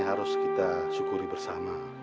harus kita syukuri bersama